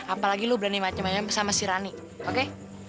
apalagi lo berani macem macem sama si rani oke